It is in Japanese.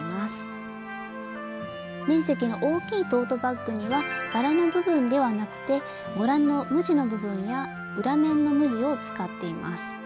面積の大きいトートバッグには柄の部分ではなくてご覧の無地の部分や裏面の無地を使っています。